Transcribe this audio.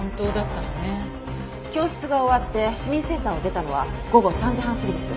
教室が終わって市民センターを出たのは午後３時半過ぎです。